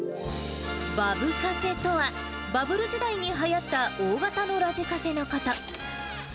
バブカセとは、バブル時代にはやった大型のラジカセのこと。